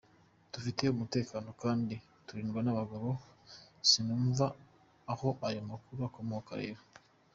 Dufite umutekano kandi turindwa n’abagabo, sinumva aho ayo makuru akomoka rero’’.